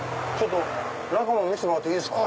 中も見せてもらっていいですか？